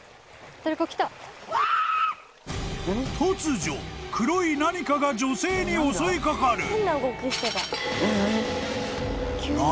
［突如黒い何かが女性に襲いかかる］